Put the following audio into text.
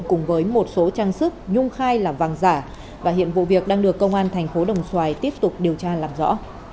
cùng với một số trang sức nhung khai là vàng giả và hiện vụ việc đang được công an thành phố đồng xoài tiếp tục điều tra làm rõ